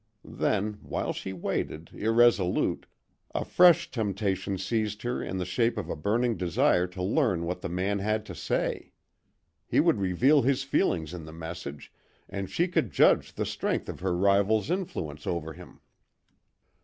Then, while she waited, irresolute, a fresh temptation seized her in the shape of a burning desire to learn what the man had to say. He would reveal his feelings in the message, and she could judge the strength of her rival's influence over him.